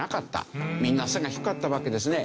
みんな背が低かったわけですね。